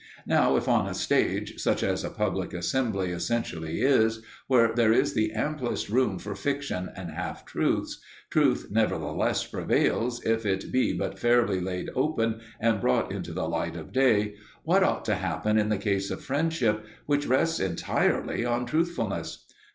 Now, if on a stage, such as a public assembly essentially is, where there is the amplest room for fiction and half truths, truth nevertheless prevails if it be but fairly laid open and brought into the light of day, what ought to happen in the case of friendship, which rests entirely on truthfulness?